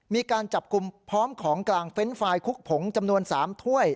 มีการจับกลุ่มพร้อมของกลางเฟนต์ไฟล์คุกผงจำนวน๓ถ้วย